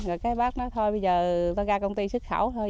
rồi cái bác nói thôi bây giờ tao ra công ty xức khảo thôi